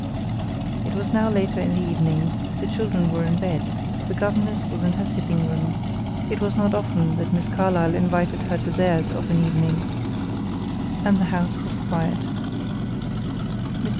It was now later in the evening; the children were in bed; the governess was in her own sitting room it was not often that Miss Carlyle invited her to theirs of an evening and the house was quite. Mr.